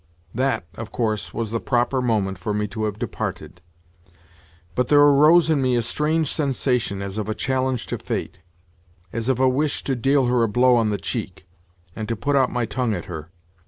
That, of course, was the proper moment for me to have departed, but there arose in me a strange sensation as of a challenge to Fate—as of a wish to deal her a blow on the cheek, and to put out my tongue at her.